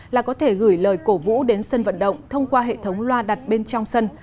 là có thể gửi lời cổ vũ đến sân vận động thông qua hệ thống loa đặt bên trong sân